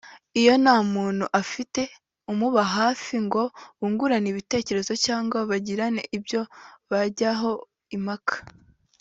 Iyo nta muntu afite umuba hafi ngo bungurane ibitekerezo cyangwa bagire ibyo bajyaho impaka